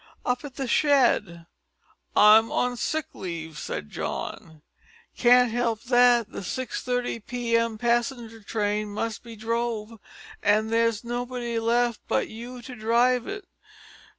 "Up at the shed." "I'm on sick leave," said John. "Can't help that. The 6:30 p.m. passenger train must be drove, and there's nobody left but you to drive it.